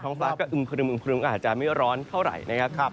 ฟ้าก็อึมครึมครึมอาจจะไม่ร้อนเท่าไหร่นะครับ